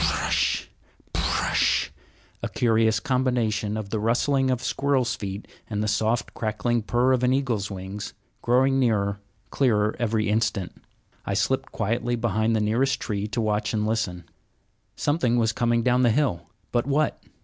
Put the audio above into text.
Pr r r r ush, pr r r r ush! a curious combination of the rustling of squirrels' feet and the soft, crackling purr of an eagle's wings, growing nearer, clearer every instant. I slipped quietly behind the nearest tree to watch and listen. Something was coming down the hill; but what?